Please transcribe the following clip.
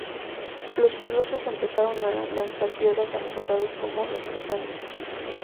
Los curiosos empezaron a lanzar piedras a los soldados como represalia.